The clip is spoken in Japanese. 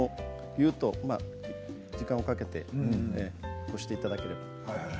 時間をかけてこしていただければ。